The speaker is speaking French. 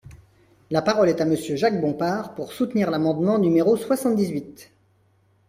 La parole est à Monsieur Jacques Bompard, pour soutenir l’amendement numéro soixante-dix-huit.